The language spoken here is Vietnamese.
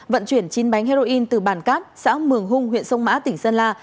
vận chuyển chín bánh heroin từ bản cát xã mường hung huyện sông mã tỉnh sơn la